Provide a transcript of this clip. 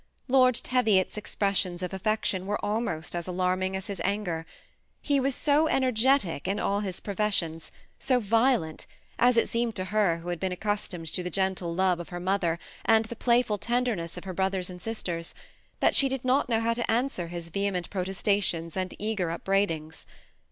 Lord Teviot's expressions of affection were almost as alarm* ing as his anger ; he was so energetic in all his profesp sionsy so violent, as it seemed to her who had been accustomed to the gentle bv^ of her mother and the playful tenderness of her brother and sitters, that she did not know how to answer his vehement protestations and eager upbraidings.